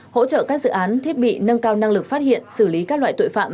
hỗ trợ các dự án thiết bị nâng cao năng lực phát hiện xử lý các loại tội phạm